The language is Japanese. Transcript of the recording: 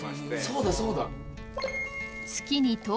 そうだそうだ。